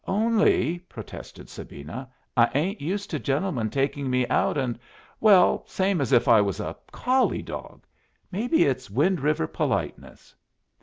"Only," protested Sabina, "I ain't used to gentlemen taking me out and well, same as if I was a collie dog. Maybe it's Wind River politeness."